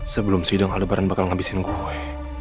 sebelum sidang ada baran bakal ngabisin gue